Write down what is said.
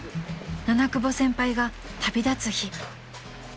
［七久保先輩が旅立つ日］